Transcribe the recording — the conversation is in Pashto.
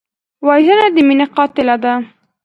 وژنه د مینې قاتله ده